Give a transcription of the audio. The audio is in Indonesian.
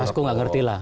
mas aku nggak ngerti lah